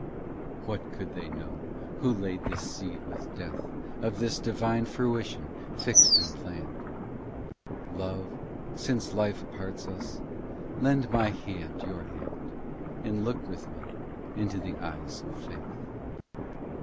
What could they know who laid the seed with Death Of this Divine fruition fixed and planned? Love since Life parts us lend my hand your hand And look with me into the eyes of faith.